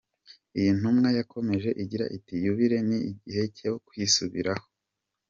Iyi ntumwa yakomeje igira iti “Yubile ni igihe cyo kwisubiraho.